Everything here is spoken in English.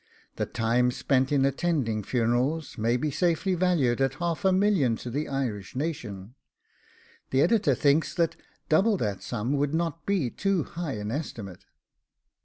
The time spent in attending funerals may be safely valued at half a million to the Irish nation; the Editor thinks that double that sum would not be too high an estimate.